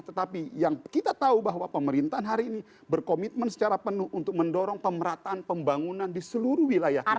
tetapi yang kita tahu bahwa pemerintahan hari ini berkomitmen secara penuh untuk mendorong pemerataan pembangunan di seluruh wilayah